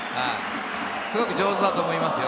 すごく上手だと思いますよ。